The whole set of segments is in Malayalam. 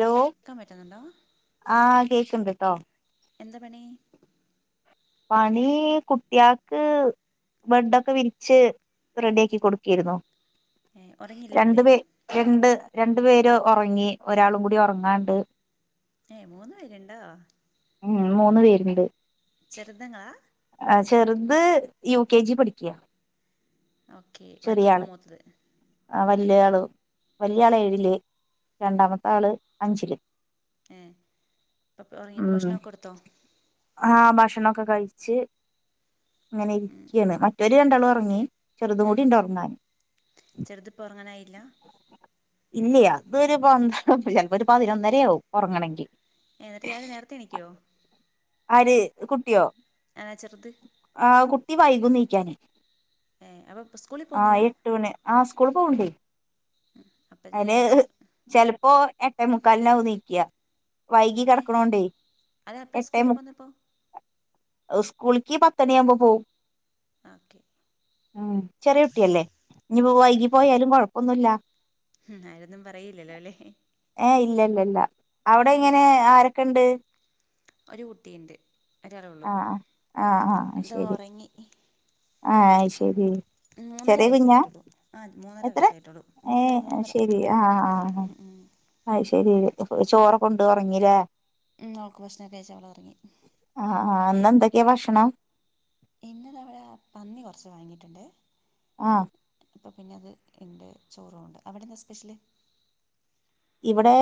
ലോ ക്കാൻ പറ്റുന്നുണ്ടോ? ആ കേക്കുണ്ട്ട്ടോ എന്ത പണി? പണി കുട്ടിയാൾക്ക് ബെഡൊക്കെ വിരിച്ച് റെഡി ആക്കി കൊടുക്ക്യേരുന്നു ഏ ഉറങ്ങിയില്ലേ രണ്ട് പേ പിള്ളേര് രണ്ട് രണ്ട് പേര് ഒറങ്ങി ഒരാളും കൂടി ഒറങ്ങാൻണ്ട്. ഏ മൂന്നു പേരുണ്ടോ? ഉം മൂന്ന് പേരുണ്ട്. ചെറുതുങ്ങളാ? ആ ചെറുത് യു കെ ജി പഠിക്ക്യാ ഓക്കെ വാക്കിയൊക്കെ മൂത്തത്? ആ വല്ല്യാള് വല്ല്യാള് ഏഴില് രണ്ടാമത്താള് അഞ്ചില്. ഏ അപ്പോ ഇയ് ഭക്ഷണൊക്കെ കൊടുത്തോ? ആ ഭക്ഷണൊക്കെ കഴിച്ച് ഇങ്ങനെ ഇരിക്കുകയാണ് മറ്റോരു ര് രണ്ടാളും ഒറങ്ങി ചെറുതും ഉം കൂടി ഉറങ്ങാൻ ചെറുത് ഇപ്പോൾ ഉറങ്ങാനായില്ല ഇല്ലയാ ഇവിടെയൊരു പഞ്ച് ഓ ചെലപ്പോരു പതിനൊന്നരയാവും ഒറങ്ങണെങ്കി എന്നിട്ടിയാള് നേരത്തെ എണീക്കുവോ? ആര് കുട്ടിയോ അതാ ചെറുത് ആ കുട്ടി വൈകുണീക്കാന്. ഏ അപ്പോൾ സ്കൂളിൽ ആ പോകുന്നില്ല എട്ടുമണി ആ സ്കൂളി പോവണ്ട്. [unintelligible] അത് ചെലപ്പോ എട്ടേമുക്കാലിനാവുണീക്ക്യ. വൈകി ഏ കെടക്കണോണ്ടേ അത് എപ്പോഴാണ് സ്കൂളിൽ എട്ടേമു പോകുന്നപ്പോൾ എ സ്കൂളിക്ക് പത്തുണിയാവുമ്പ പോവും. ഓക്കെ ഉം ചെറിയുട്ടിയല്ലേ ഇനിപ്പോ വൈകി പോയാലും കൊഴപ്പൊന്നുല്ല. ഉം നേര ഒന്നും പറയില്ലേ? ഏ ഇല്ലില്ലില്ല അവിടെ ഇങ്ങനെ ആരൊക്കെണ്ട്? ഒരു കുട്ടിയുണ്ട് ഒരാളെള്ളു ആ ആ ആ ദാ ശരി ഒറങ്ങി. ആ അ ശരി. മൂന്നര ചെറിയ കുഞ്ഞാ വയസ്സേയിട്ടുള്ളു ആ മൂന്നര വയസ്സായിട്ടുള്ളൂ മൂന്നര മൂന്നര. എ ആ ആ ആ ശരി ചോറൊക്കുണ്ട് ഉറങ്ങില്ലേ? ഓൾക്ക് ഭക്ഷണൊക്കെഴിച്ചു അവളൊറങ്ങി. ആ ആ ഇന്നെന്തൊക്കെയാ ഭക്ഷണം? ഇന്നു ഞങ്ങള് ആ പന്നി കൊറച്ച് വാങ്ങിയിട്ടുണ്ടേ ആ അപ്പപ്പിന്നെ അത് എൻ്റെ ചോറുണ്ട് അവിടെന്താ സ്പെഷ്യല്? ഇവിടെ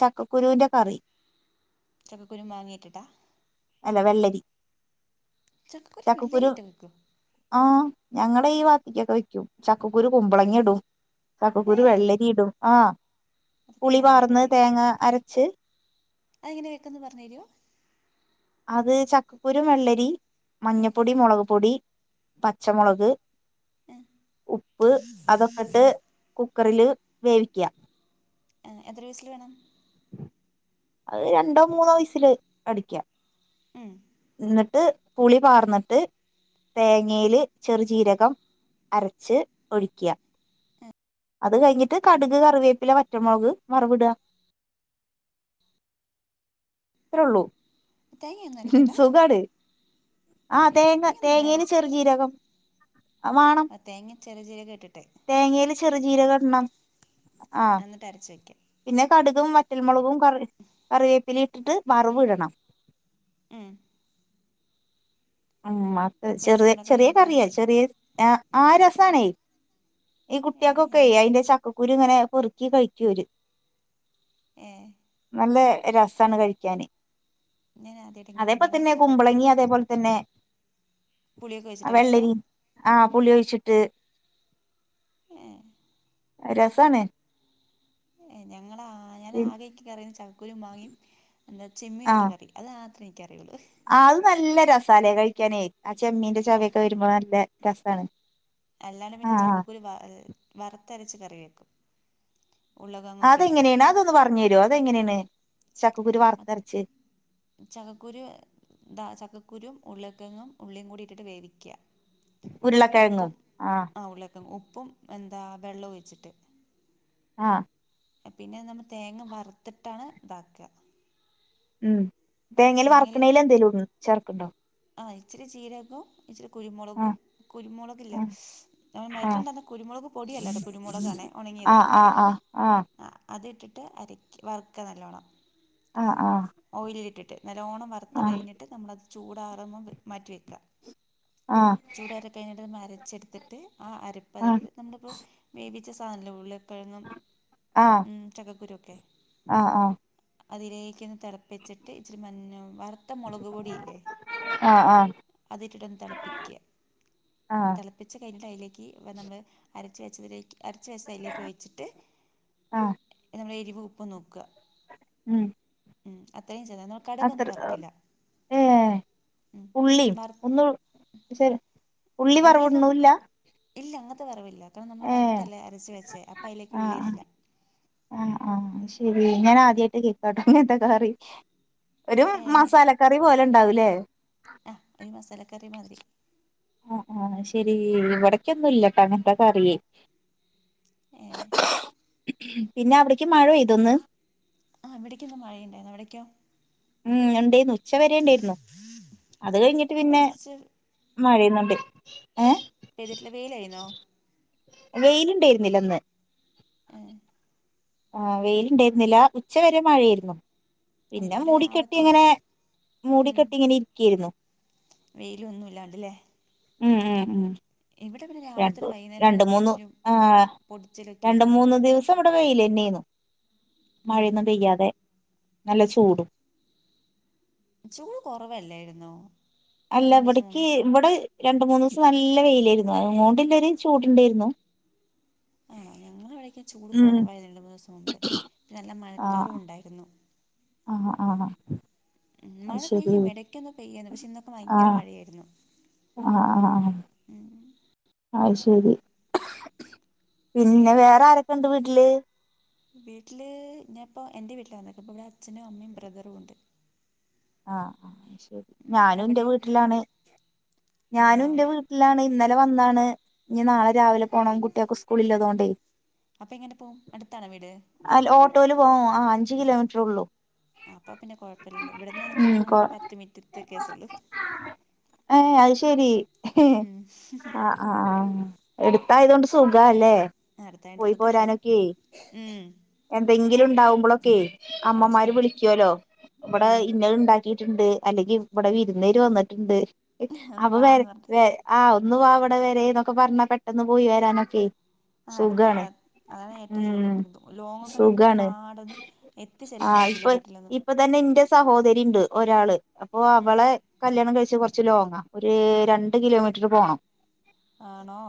ചക്കക്കുരുവിന്റെ കറി. ചക്കക്കുരു മാങ്ങയിട്ടിട്ടാ? അല്ല വെള്ളരി ചക്കക്കുരു വെള്ളരിട്ട് വെക്വോ ആ ഞങ്ങടെ ഈ ഭാത്തേക്കൊക്കെ വെക്കും ചക്കക്കുരു കുമ്പളങ്ങ ഇടും. ഏ ചക്കക്കുരു വെള്ളരി ഇടും ആ അതൊക്കെ ഞാൻ പുളി ആദ്യമായിട്ടാണ് പാർന്ന് തേങ്ങ അരച്ച് അയെങ്ങനെയാ വെക്കെന്ന് പറഞ്ഞു തരുവോ? അത് ചക്കക്കുരു വെള്ളരി മഞ്ഞപ്പൊടി മൊളക് പൊടി പച്ചമൊളക് ഉപ്പ് അതൊക് ട്ട് കുക്കറില് വേവിക്കുക എത്ര വിസിൽ വേണം അത് രണ്ടോ മൂന്നോ വിസില് അടിക്കാം മ് ഇന്നട്ട് പുളി പാർന്ന്ട്ട് തേങ്ങേല് ചെറുചീരകം അരച്ച് ഒഴിക്ക്യാ അത് കഴിഞ്ഞിട്ട് കടുക്, കറിവേപ്പില, വറ്റമൊളക് വറവ്ടാ അത്രെള്ളൂ തേങ്ങയൊന്നും അരയ്ക്കെണ്ട? ആഹ തേങ്ങ തേങ്ങേല് ഇടാല്ലേ ചെറ് ജീരകം ആഹാ തേങ്ങ ചെറിയ ജീരകെട്ടിട്ട് തേങ്ങേല് ചെറു ജീരകെടണം എന്നെട്ടരച്ച് വയ്ക്കാ പിന്നെ കട്കും, വറ്റൽമുളകും, കറി കറിവേപ്പിലിട്ടിട്ട് വറവ്ടെണം ഏഹേ ഉം അത് ചെറ് ടേസ്റ്റ് ഉണ്ടോ കറി ചെറിയ കൂട്ടാൻ കറിയാ ഏ ചെറിയ ആ രെസാണെ ഈ കുട്ടിയാക്കൊക്കെ ഞാനിത് അയിന്റെ ചക്കക്കുരുങ്ങെനെ പൊറുക്കി കഴിക്കോല് ഏഹ് നല്ല രസാണ് കഴിക്കാന് ഞാൻ ആദ്യമായിട്ട് ഇങ്ങനെ അതേപ്പൊൽ ഞങ്ങൾ തന്നെ ചക്കക്കുരും കുമ്പളങ്ങി അതേപോൽ തന്നെ പുളിയൊക്കെ ആ വെച്ചിട്ടാണ് വെക്കുക വെള്ളെരി ആഹ പുളിയൊഴിച്ചിട്ട് എഹ് അഹ് രെസാണ് ഞങ്ങളാ പി ഞാനാകെ ഇക്കറിയുന്നെ ചക്കകുരും മാങ്ങിയും എന്താ ആ ചെമ്മീനുട്ട് കറി അഹ് മാത്രേ ഇൻക്കറിയൊള്ളൂ ആ അഹ് നല്ല രസാലെ കഴിക്കാനേ ആ ചെമ്മീന്റെ ചൊവയൊക്കെ വെരുമ്പോ നല്ല രെസാണ് അല്ലാണ്ട് പിന്നെ ചക്കക്കുരു വ വറുത്തരച്ച് കറി വെക്കും ആഹ് ഉരുളക്കിഴങ്ങൊക്കെ ഇട്ടിട്ട് അതെങ്ങനെയാണ് അതൊന്ന് പറഞ്ഞെരോ അതെങ്ങെനേണ് ചക്കക്കുരു അത് വർത്തര്ച്ച് ചക്കക്കുരു ദാ ചക്കക്കുരും ഉര്ള്ളക്കെങ്ങും ഉള്ളിയും കൂടിട്ടിട്ട് വേവിക്യാ ഉരുളക്കിഴങ്ങും ഉപ്പും ആഹ് ആ ഉള്ളേക്കേങ്ങും ഉപ്പും എന്താ വെള്ളം ഒഴിച്ചിട്ട് ആഹ പിന്നെ നമ്മള് തേങ്ങ വർത്ത്ട്ടാണ് ഇതാക്കാ ഉം തേങ്ങേല് വർക്ണേലെന്തേലും ഇട് ചേർക്ണ്ടോ? ആഹാ ഇച്ചിരി ചീരകവും ഇച്ചിരി കുരുമുളകും ആഹ് കുരുമുളകില്ലെ ആഹ് ഞമ്മള് [unintelligible] കുരുമുളക് പൊടിയല്ലട്ടോ കുരുമുളകാണെ ഒണങ്ങിയത് ആ ആ ആ ആ ഹാ ആഹ് അതിട്ടിട്ട് അരക്കി വറക്ക് നല്ലോണം ആഹ് ആഹാ ഓയിലിലിട്ടിട്ട് നല്ലോണം വറുത്ത് കഴിഞ്ഞിട്ട് നമ്മളത് ചൂടാറാ ൻ മാറ്റി വെക്ക ആഹ് ചൂടാ റി കഴിഞ്ഞ്ട്ട് നമ്മളരച്ചെടുത്തിട്ട് ആ അരപ്പ് അതായത് ആഹ് നമ്മളിപ്പൊ വേവിച്ച സാധനവുല്ലെ ഉരുള്ള കെഴങ്ങും, ആഹ് ഉം ചക്കക്കുരുവൊക്കെ ആഹ് ആഹ് ആഹ് അതിലേക്കങ്ങ് തെളപ്പിച്ചിട്ട് ഇച്ചിരി മഞ്ഞ വറുത്ത മൊളക് പൊടിയില്ലേ? ആഹ ആഹ അതിട്ടിട്ടൊന്നു തെളപ്പിക്ക ആഹ് ആഹ് തെള പ്പിച്ച് കഴിഞ്ഞിട്ട് അയിലേക്ക് ഇന നമ്മള് അരച്ച വെച്ചതിലേക്ക് അരച്ച് വെച്ചതയിലേട്ട് ഒഴിച്ചിട്ട് ആഹ് നമ്മള് എരിവും ഉപ്പും നോക്ക ഉം ഉം അത്രയും ചെയ്ത എ അത്രയും ഏഹേ ഉള്ളി വറ ഒന്നും ചെ ഉള്ളി വറവുടുണുല്ല? ഇല്ല അങ്ങത്തെ വറവില്ല കാരണം നമ്മള് വറുത്തല്ലേ അരച്ച് വെച്ചേ അപ്പയിലേക്ക് ആഹ് ആഹ് ഉള്ളിയിടില്ല ആഹ് ആഹ് അഹ്ശെരി ഞാനാദ്യായിട്ട് കേക്കാട്ടോ ഇങ്ങത്തെ കറി ഒരു ഏ മസാലക്കറി പോലെണ്ടാവുലെ? ആ ഒരു മസാല കറി മാതിരി ആഹ് ആ ശെരി ഇവിടക്കൊന്നും ഇല്ലട്ടോ അങ്ങനത്തെക്കെ അറിയേ ആഹ് പിന്നെ അവിടേക്ക് മഴ പെയ്ത ഒന്ന് ആ്വിടേക്കന്ന മഴ ഉണ്ടായിോ എവിടക്കോ ഉം ഉണ്ടായിരുന്നു ഉച്ച വരെ ഉണ്ടായിരുന്നു അത് കഴിഞ്ഞിട്ട് ഇവിടെ പിന്നെ ഉച്ച മഴയുന്നുണ്ട് ഏഹ് ഇതിട്ട വെയിലായിന്നോ വെയിലുണ്ടായിരുന്നില്ല അന്ന് ആ ആ വെയില ഉണ്ടായിരുന്നില്ല ഉച്ച വരെ മഴയായിരുന്നു അല്ല പിന്നെ ഇവിടെ രാവിലെ മൂടിക്കെട്ടി തൊട്ട് ഇങ്ങനെ മൂടിക്കെട്ടി ഇങ്ങനെ ഇരിക്കായിരുന്നു വെയില ഒന്നുമല്ലാണ്ടല്ലേ ഉം ഉം ഉ പിന്നെ രാവിലെ രണ്ട് തൊട്ട് വൈകുന്നേരം വരെ രണ്ട് മൂന്ന് അത്യാവശ്യം ആ പൊടിച്ചിലൊക്കെ രണ്ട് ആയിരുന്നു മഴ മൂന്ന് ദിവസം ഇവിടെ പെൽന്നെന്നു ഉം മഴയൊന്നും പെയ്യാതെ നല്ല ചൂടും ചൂട് കുറവല്ലായിുന്നോ അല്ല ഇവിടക്ക് ഇവിടെ രണ്ട മൂന്ന് ദിവസം നല്ല വെയിലായിരുന്നു അ അതുകൊണ്ട്ല്ലര ചൂടുണ്ടായിരുന്നു ആണോ ഞങ്ങള എവിടെേക്കും ചൂട് ഉം കുറവായിരുന്നു രണ്ട് മൂന്ന് ദിവസം മുമ്പ് നല്ല മഴക്കാറും ഉണ്ടായിരുന്നു ആഹ് ആഹ് മ മഴ പെയ്യും ഇടയ്ക്കൊന്നും പെയ്യായിരുന്നു പക്ഷെ ഇന്നൊക്കെ ഭയങ്കര ആഹ് മഴയായിരുന്നു ആഹ് ആഹ് ആ ശരി പിന്നെ വേറെ ആരൊക്കെ ഉണ്ട് വീട്ടില് വീട്ടില് ഞാന് ഇപ്പോൾ എൻ്റെ വീട്ടില വന്നക്കപ്പപ്പോ ഇവിടെ അച്ഛനും അമ്മയും ബ്രദറും ഉണ്ട് ആഹ് ആ ശരി ഞാനും എന്റെ അവിടെയോ വീട്ടിലാണ് ഞാനും ആണോ എറെ വീട്ട ഇല്ലാണ് ഇന്നലെ വന്നതാണ് ഇനി നാളെ രാവിലെ പോകണം കുട്ടികൾക്ക് സ്കൂളല്ലതുകൊണ്ടേ അപ്പൊ എങ്ങനെ പോവും അടുത്താണോ വീട് അ ഓട്ടോൽ പോകും ആ അഞ്ച് കിലോമീറ്റർ ഉള്ളു അപ്പൊ പിന്നെ കൊഴപ്പമല്ലോ ഇവിടന്ന് എനിക്കും അങ്ങോട്ട് പത്ത് മിനിറ്റത്തെ കേസള്ളു ഏ അത് ശരി ഉം ആ ആഹ് എടുത്തായത കൊണ്ട് സുഖല്ലേ അടുത്തായിട്ട് പോയി സുഖമായി പോരാനൊക്കെ ഉം എന്തെങ്കിലും ഉണ്ടാവുമ്പോളൊക്കെ ആ അമ്മമാര് ശരി വിളിക്കുവല്ലോ ഇവിടെ ഉം ഉണ്ടാക്കിയിട്ടുണ്ട് അല്ലെങ്കിൽ ഇവിടെ വിരുന്നേര് വന്നിട്ടുണ്ട് ഒന്ന് അപ്പൊ വാന്ന് പറഞ്ഞിട്ട് വേ ആഹ് ഒന്ന് പോ അവിടെ വരെ എന്നൊക്കെ പറഞ്ഞാ പെട്ടന്ന് പോയി വരാനൊക്കെ ആ അടുത്ത് സുഖാണ് അതാണ് ഏറ്റവും ഉം സുഖം പിന്നെ ലോങ്ങ് കണിയക്കെ സുഖാണ് പാടന്ന് ആ എത്തിച്ചെല്ലാാന് പറ്റില്ല ഇപ്പൊ വീട്ടിലൊന്നും ഇപ്പൊ തന്നെ ഇന്റെ സഹോദരി ഉണ്ട് ഒരാള് അപ്പോ ഉം അവളെ കല്യാണം കഴിച്ചു കുറച്ച് ലോങ്ങ് ഒരു രണ്ട് കിലോമീറ്റർ പോകണം ആണോ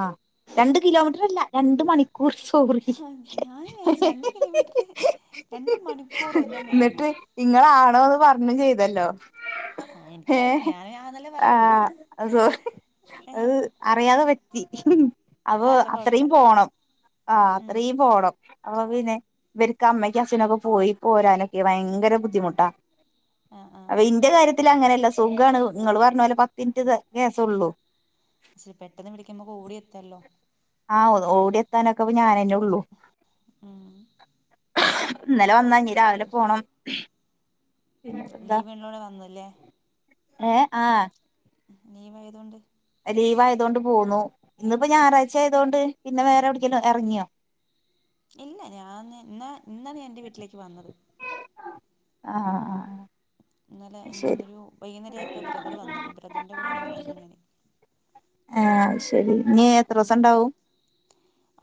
ആ രണ്ട് കിലോമീറ്റർല്ല രണ്ട് മണി കു സോറി ഞാൻ വിചാരിച്ചു രണ്ട് കിലോമീറ്റർ രണ്ട് മണിക്കൂറോ എന്റമ്മേ നിങ്ങളാണോന്ന് പറഞ്ഞ് ചെയ്തല്ലോ ആ ഏ എനിക്കറിയില്ല ഞാൻ ആന്നല്ലേ ആ പറയുള്ളൂ അ സോറി അത് അറിയാതെ പറ്റി അവ സാരല്ല കുഴപ്പമില്ല അത്രയും പോണം ആ ഉം അത്രയും പോണം അപ്പൊ പിന്നെ ഇവർക്ക് അമ്മയ്ക്ക് അച്ഛനൊക്കെ പോയി പോരാനൊക്കെ ഭയങ്കര ബുദ്ധിമുട്ടാ ആ ആ അപ്പൊ ഇന്റെ കാര്യത്തി അങ്ങനെയല്ല സുഖ നിങ്ങൾ പറഞ്ഞ പോലെ പത്ത് മിനിറ്റ് ഗ്യാസ് ഉള്ളു അക്ഷരി പെട്ടെന്ന് വിളിക്കുമ്പോൾ ഓടടി എത്തല്ലോ ആ ഓടി എത്താനൊക്കെ ഞാാന തന്നെ ഉള്ളു ഉം ഇന്നലെ വന്നഞ്ഞ രാവിലെ പോണം ഉം പിന്ത ലീവ് ഉള്ളോടെ വന്നല്ലേ ഏഹ് ആഹ് ലീവ് ആയതുകൊണ്ട് ലീവ് ആയത കൊൊണ്ട് പോകുന്നു ഇന്ന് ഇപ്പോ ഞായറാഴ്ച ആയതുകൊണ്ട് പിന്നെ വേറെ എവിടേങ്കലും ഇറങ്ങിയോ ഇല്ല ഞാൻ ഇന്നാ ഇന്നാണ് ഞാൻ എൻ്റെ വീട്ടിലേക്ക് വന്നത് ആഹ് ആഹ് ഇന്നലെ ശരി ഇരു വൈകുന്നേരം ആയപ്പോ ബ്രദർ വന്നു അപ്പ ബ്രദറിന്റെ കൂടെ ഇങ്ങനെ വന്നു ഞാൻ ആഹ് ശരി ഇനി എത്ര ദിവസം ഉണ്ടാവും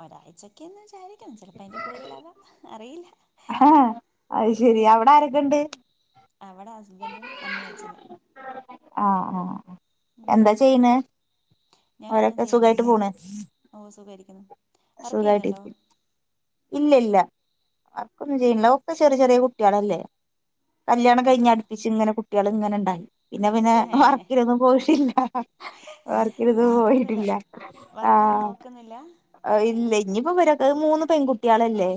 ഒരാഴ്ചൊക്കെന്ന് വിചാരിക്കണം ചിലപ്പോ അതിന്റെ കൂടുതലാവാം അറിയില്ല ആഹ് അത് ശെരി അവിടെ ആരൊക്കെ ഇണ്ട് അവിടെ ഹസ്ബൻഡും അമ്മയും അച്ഛനും ആഹ് ആഹ് എന്താ ചെയ്യണ് ഞാനൊന്നും അവരൊക്കെ സുഖായിട്ട് ചെയ്യുന്നില്ല പോണു ഓ സുഖമായിരിക്കുന്നു വർക്ക് സുഖായിട്ട് ചെയ്യുന്നുണ്ടോ ഇല്ല ഇല്ല ആർക്കൊന്നും ചെയ്യയില്ല ഒക്കെ ചെറിയ ചെറിയ കുട്ടികളല്ലേ കല്യാണം കഴിഞ് അടുപ്പിച്ചച്ച് ഇങ്ങനെ കുട്ടികള ഇങ്ങനെ ഉണ്ടായി പിന്നെ പിന്നെ ഏ വർക്കിലൊന്നും പോയിട്ടില്ല വർക്കിനൊന്നും നോക്കുന്നില്ല പോയിട്ടില്ല വർക്കൊന്നും ആഹ് നോക്കുന്നില്ല ഇല്ല ഇനിയിപ്പോ വരാക്ക മൂന്ന് പെൺകുട്ടികളല്ലേ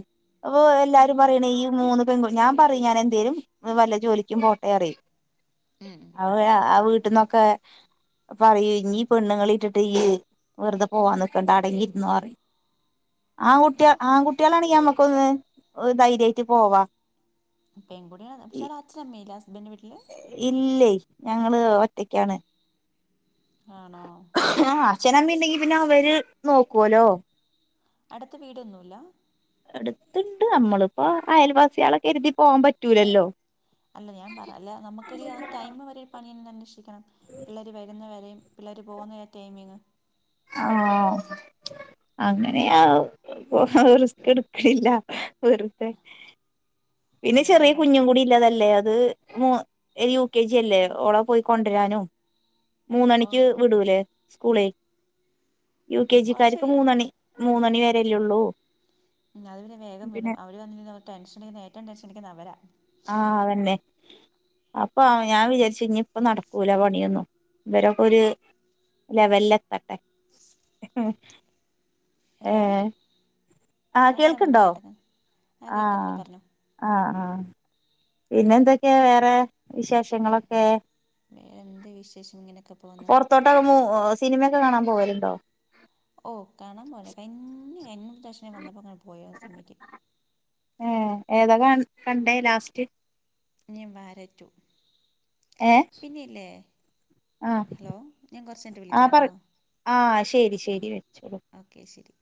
അപ്പൊ എല്ലാരും പറയണേ ഈ മൂന്ന് [unintelligible] ഞാൻ പറയും ഞാൻ എന്തേലും വല്ല ജോലിക്കും പോട്ടെ പറിയും ഉം ഉം അവ ആഹ് വീട്ടിൽന്നൊക്കെ പറയൂ ഇനി പെണ്ണുങ്ങളൾ ഇട്ടിട്ട് വെറുതെ പോവാാൻ നക്കണ്ട അടങ്ങിയിരുന്നുന്ന് പറയും [inaudible] ആൺ കുട്ടിക ആൺ കുട്ടികളാണെങ്ക നമ്മുക്ക് ഒന്ന് ധൈര്യമായിട്ട് പോവാം പെൺകുടിയാണ് പക്ഷേവി അച്ഛന അമ്മല്ലെ ഹസ്ബൻഡ് വീട്ടില് ഇല്ലേ ഞങ്ങള് ഒറ്റക്കാണ് ആണോ ആഹ് അച്ഛനമ്മ ഉണ്ടെങ്കി പിന്നെ അവര് നോക്കുവലോ അടുത്ത വീടൊന്നുമല്ല എടുത്തണ്ട് നമ്മളിപ്പോ അയൽവാസികളൊക്കെ എരുതി പോകാൻ പറ്റൂലല്ലോ അല്ല ഞാൻ പറ അല്ല നമുക്കൊരു ആ ടൈം വരെ ഒരു പണിയന്നെ അന്വേഷിക്കണം പിള്ളേർ വരുന്ന വരെയും പിള്ളേർ പോകുന്ന ടൈമിങ് ആഹ് അങ്ങനെയ റിസ്ക് എടുക്കില്ല വെറുതെ പിന്നെ അല്ലല്ലേ ചെറിയ ഞാൻ പറഞ്ഞ കുഞ്ഞും കൂടി ഇല്ലാതല്ലേ അത് മ യു കെ ജി അല്ലേ ഓള പോയി കൊണ്ടുവരാനോ ആ മൂന്നണിക്ക് വിടൂല്ലേ സ്കൂള യു കെ അത് ജിക്കാക്ക് ശരിയാ മൂന്നണി മൂന്നണി വരല്ലേ ഉള്ളൂ ഉം അതുവരെ വേഗം വിടും അവര് വന്ന അവ ടെൻഷൻ എടുന്ന ഏറ്റവും ടെൻഷൻ എടിക്കുന്ന അവരാ ആഹ് അതന്നെ അപ്പൊ ഞാൻ വിചാരിച്ചു ഇനി ഇപ്പ നടക്കൂല പണിയൊന്നും ഇവരൊക്കെ ഒരു ലെവല് എത്തട്ടെ [unintelligible] ഹലോ ആഹ് പറ പറഞ്ഞോ കേട്ടത് ആഹ് കേൾക്കുന്നില്ലോ പറഞ്ഞോ ആഹ് ആഹ് പിന്നെ എന്തൊക്കെയാ വേറെ വേ വിശേഷങ്ങളൊക്കെ വേറെ എന്ത് വിശേഷം ഇങ്ങനെയൊക്കെ പോകുന്നു പുറത്തോട്ട് [unintelligible] സിനിമയൊക്കെ കാണാൻ പോവരുണ്ടോ ഓ കാണാ പോലെ കി എങ്ങ ദക്ഷണേ വന്നപ്പോ അങ്ങനെ പോയ സിനിമക്ക് ഏഹ് ഏതാ കണ്ടേ ലാസ്റ്റ് ഞാൻ വാഴ റ്റു ഏ പിന്നെല്ലേ ആ ഹലോ ഞാൻ കുറച്ച് കഴിനിട്ട് ആ പറ വിളിക്കാംട്ടോ ആ ശരി ശരി വെച്ചോളൂ ഓക്കെ ശരി